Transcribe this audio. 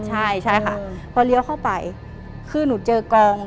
ใช่ใช่ค่ะพอเลี้ยวเข้าไปคือหนูเจอกอง